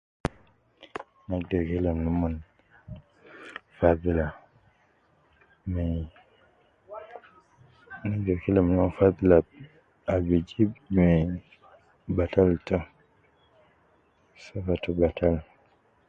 Aju te kelem nomon fadhla me, aju te kelem nomon fadhla al bi jib batal me batal to, man to batal